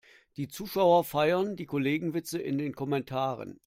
Die Zuschauer feiern die Kollegenwitze in den Kommentaren.